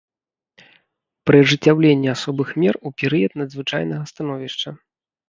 Пры ажыццяўленні асобых мер у перыяд надзвычайнага становішча.